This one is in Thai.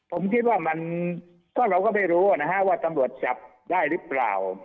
ผมคิดว่ามันก็เราก็ไม่รู้นะฮะว่าตำรวจจับได้หรือเปล่า